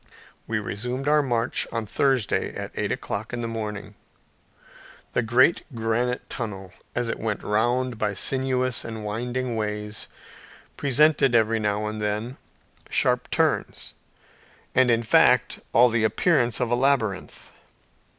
We resumed our march on Thursday at eight o'clock in the morning. The great granite tunnel, as it went round by sinuous and winding ways, presented every now and then sharp turns, and in fact all the appearance of a labyrinth.